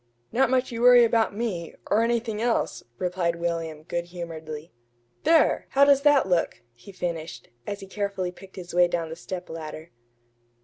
"Not much you worry about me or anything else," replied William, good humoredly. "There! how does that look?" he finished, as he carefully picked his way down the stepladder.